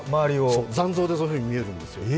そう、残像でそういうふうに見えるんですよ。